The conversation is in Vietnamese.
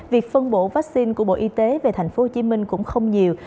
việc phân bổ vaccine của bộ y tế về tp hcm cũng không nhiều